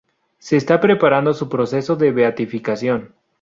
Se está preparando su proceso de beatificación.